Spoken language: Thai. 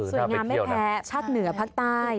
สวยงามไม่แพ้ชาติเหนือภาคใต้